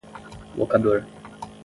locador